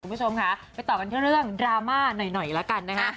สวัสดีคุณผู้ชมค่ะไปต่อกันที่กันเป็นเรื่องดราม่าหน่อยแล้วกันนะฮะ